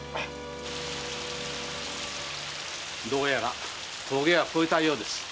どうやら峠は越えたようです。